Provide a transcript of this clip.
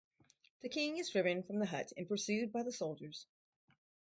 The king is driven from the hut and pursued by the soldiers.